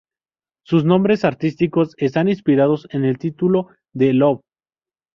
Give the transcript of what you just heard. Sus nombres artísticos están inspirados en el título de "Love.